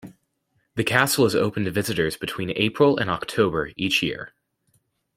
The castle is open to visitors between April and October each year.